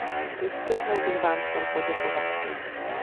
Ještě jednou bych vám chtěl poděkovat.